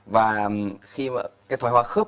và khi mà cái thoái hoa khớp